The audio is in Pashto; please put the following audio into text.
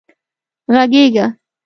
غږېږه